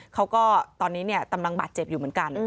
เขาก็ตอนนี้กำลังบาดเจ็บอยู่เหมือนกัน